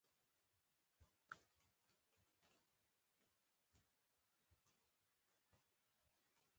د سپینو زرو اتوموسفیري مقدار منظم زیات شوی